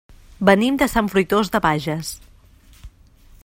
Venim de Sant Fruitós de Bages.